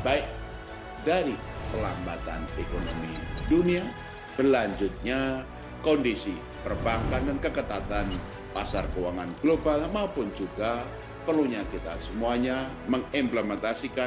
baik dari pelambatan ekonomi dunia berlanjutnya kondisi perbankan dan keketatan pasar keuangan global maupun juga perlunya kita semuanya mengimplementasikan